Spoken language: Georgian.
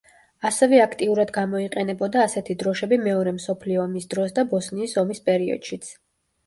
ასევე აქტიურად გამოიყენებოდა ასეთი დროშები მეორე მსოფლიო ომის დროს და ბოსნიის ომის პერიოდშიც.